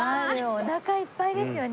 おなかいっぱいですよね。